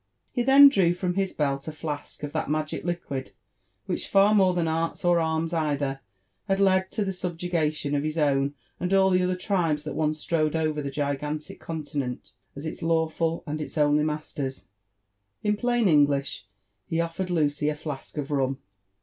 He then drew from his belt a flask of that magio liquid which. Car iiK>r0 than arts or arms either, had led to the subjugation of his own and all the other tribes that once strode over that gigantic continent as its law ful and its only masters ;— in plain English, be offered Lucy a flask of rum.